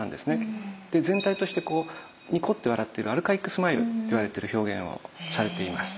で全体としてこうニコッて笑ってるアルカイックスマイルって言われてる表現をされています。